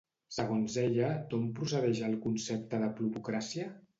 Segons ella, d'on procedeix el concepte de plutocràcia?